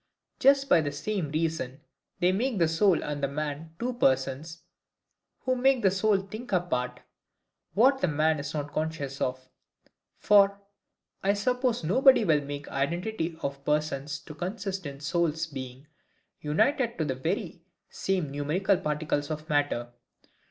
Just by the same reason, they make the soul and the man two persons, who make the soul think apart what the man is not conscious of. For, I suppose nobody will make identity of persons to consist in the soul's being united to the very same numerical particles of matter.